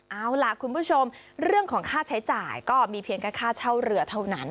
เอาล่ะคุณผู้ชมเรื่องของค่าใช้จ่ายก็มีเพียงแค่ค่าเช่าเรือเท่านั้น